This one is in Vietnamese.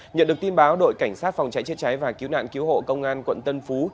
nhận được tin báo đội cảnh sát phòng cháy chữa cháy và cứu nạn cứu hộ công an quận tân phú